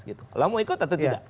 kalau mau ikut atau tidak